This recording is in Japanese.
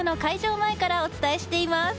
前からお伝えしています。